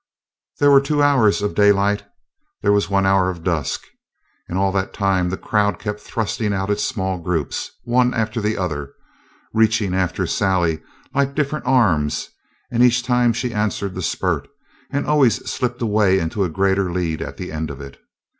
There were two hours of daylight; there was one hour of dusk; and all that time the crowd kept thrusting out its small groups, one after the other, reaching after Sally like different arms, and each time she answered the spurt, and always slipped away into a greater lead at the end of it.